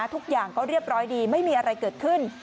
ทุกอย่างก็เรียบร้อยดีไม่มีอะไรเกิดขึ้น